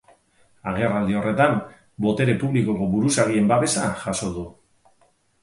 Agerraldi horretan, botere publikoko buruzagien babesa jaso du.